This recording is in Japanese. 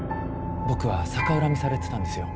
僕は逆恨みされてたんですよ。